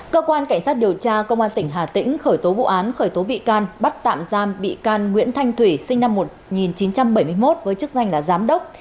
cơ quan cảnh sát điều tra công an tỉnh hà tĩnh khởi tố vụ án khởi tố bị can bắt tạm giam bị can nguyễn thanh thủy sinh năm một nghìn chín trăm bảy mươi một với chức danh là giám đốc